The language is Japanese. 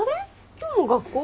今日も学校？